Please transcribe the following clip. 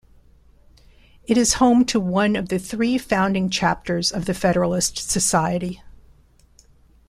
It is home to one of the three founding chapters of the Federalist Society.